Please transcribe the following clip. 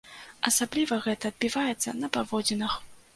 Асабліва гэта адбіваецца на паводзінах!